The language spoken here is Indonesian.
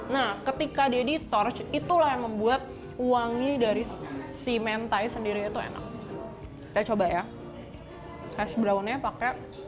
nah ketika dia ditorch itulah yang membuat wangi dari si mentai sendiri itu enak